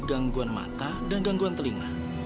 gangguan mata dan gangguan telinga